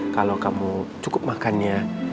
kalau kamu cukup makannya